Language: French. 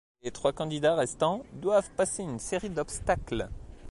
Les trois candidats restants doivent passer une série d'obstacles.